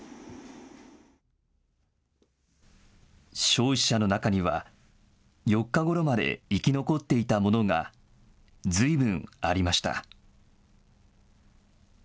焼死者の中には４日ごろまで生き残っていた者がずいぶんありました。